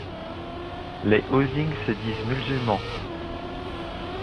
Les Osing se disent musulmans.